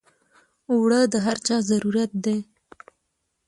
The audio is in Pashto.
اوړه د هر چا ضرورت دی